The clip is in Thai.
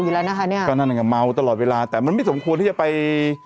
อยู่แล้วนะคะเนี่ยก็นั่นก็เมาตลอดเวลาแต่มันไม่สมควรที่จะไป